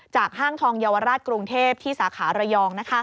ห้างทองเยาวราชกรุงเทพที่สาขาระยอง